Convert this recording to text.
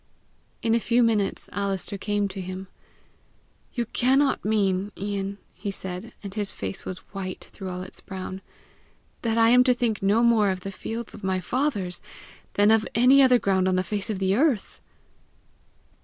In a few minutes, Alister came to him. "You cannot mean, Ian," he said and his face was white through all its brown, "that I am to think no more of the fields of my fathers than of any other ground on the face of the earth!"